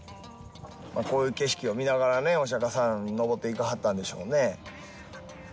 こういう景色を見ながらねお釈迦さん登っていかはったんでしょうね。